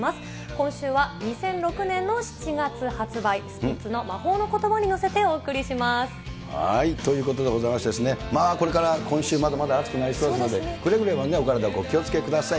今週は２００６年の７月発売、スピッツの魔法のコトバに乗せてお送りします。ということでございまして、これから今週、まだまだ暑くなりそうですので、くれぐれもお体、お気をつけください。